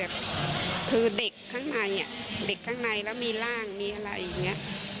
คือเด็กข้างในแล้วมีร่างมีอะไรอย่างนี้